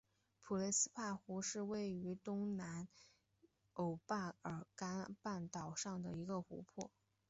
普雷斯帕湖是位于东南欧巴尔干半岛上的一个湖泊。